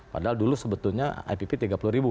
padahal dulu sebetulnya ipp tiga puluh ribu